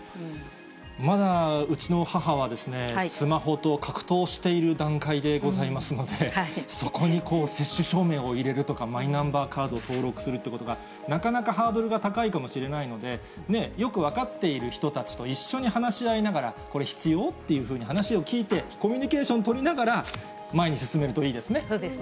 まだ、うちの母はですね、スマホと格闘している段階でございますので、そこに接種証明を入れるとか、マイナンバーカード登録するっていうことが、なかなかハードルが高いかもしれないので、よく分かっている人たちと一緒に話し合いながら、これ、必要？っていうふうに話を聞いて、コミュニケーション取りながら、前に進めるといいですね。